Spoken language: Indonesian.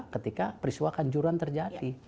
ketika perisuan kanjuran terjadi